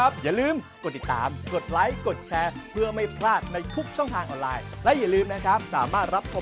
เบอร์โทรนะครับ๐๙๕๖๑๖๕๔๖๕